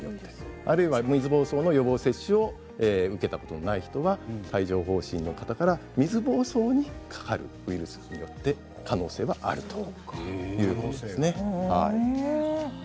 あるいは水ぼうそうの予防接種を受けたことがない人は帯状ほう疹の方から水ぼうそうにうつるという可能性もあるということです。